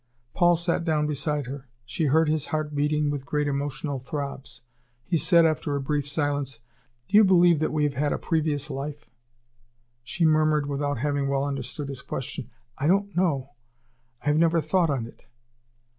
Paul sat down beside her. She heard his heart beating with great emotional throbs. He said, after a brief silence: "Do you believe that we have had a previous life?" She murmured, without having well understood his question: "I don't know. I have never thought on it."